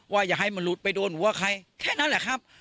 อย่าให้มันหลุดไปโดนหัวใครแค่นั้นแหละครับ